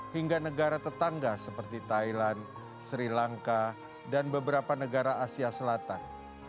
hingga negara tetangga seperti thailand sri lanka dan beberapa negara asia selatan